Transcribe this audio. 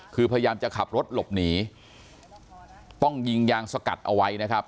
คือพยายามจะขับรถหลบหนีต้องยิงยางสกัดเอาไว้นะครับ